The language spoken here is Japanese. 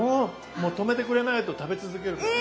もう止めてくれないと食べ続けるかも。